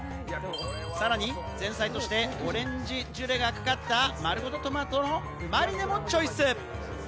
さらに前菜として、オレンジジュレがかかった、まるごとトマトのマリネもチョイス。